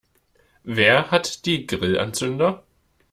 Wer hat die Grillanzünder?